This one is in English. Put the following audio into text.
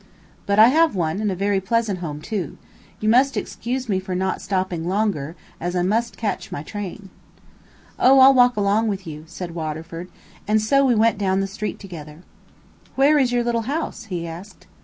"But I have one, and a very pleasant home, too. You must excuse me for not stopping longer, as I must catch my train." "Oh! I'll walk along with you," said Waterford, and so we went down the street together. "Where is your little house?" he asked.